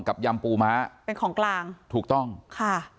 ยำปูม้าเป็นของกลางถูกต้องค่ะ